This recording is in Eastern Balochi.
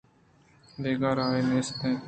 دگہ راہے نیست اِنت